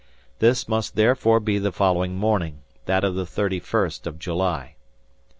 This must therefore be the following morning, that of the thirty first of July.